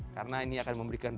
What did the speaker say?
karena ini akan memberikan